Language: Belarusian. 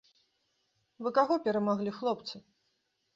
Вы каго перамаглі, хлопцы?!